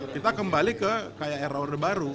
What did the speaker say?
kita kembali ke kayak era orde baru